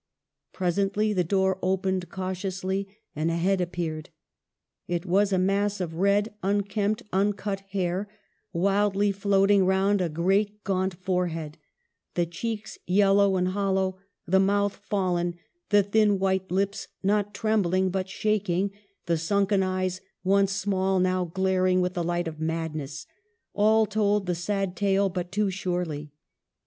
" Presently the door opened cautiously, and a head appeared. It was a mass of red, unkempt, uncut hair, wildly floating round a great, gaunt forehead ; the cheeks yellow and hollow, the mouth fallen, the thin white lips not trembling but shaking, the sunken eyes, once small, now glaring with the light of madness — all told the sad tale but too surely.